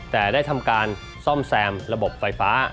แต่ได้ทำการซ่อมแซมระบบไฟฟ้า